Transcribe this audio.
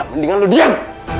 mendingan lo diam